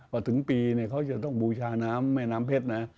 พอถึงปีเนี่ยเขาจะต้องบูชาน้ำแม่น้ำเพชรนะ